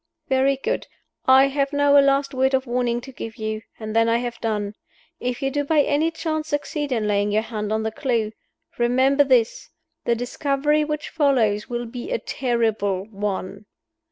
"Very good. I have now a last word of warning to give you and then I have done. If you do by any chance succeed in laying your hand on the clew, remember this _the discovery which follows will be a terrible one.